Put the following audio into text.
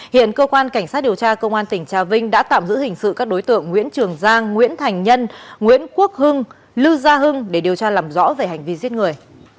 hiện cơ quan cảnh sát điều tra công an tỉnh trà vinh đã tạm giữ hình sự các đối tượng nguyễn trường giang nguyễn thành nhân nguyễn quốc hưng lưu gia hưng để điều tra làm rõ về hành vi giết người